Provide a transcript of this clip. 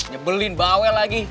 nyebelin bawel lagi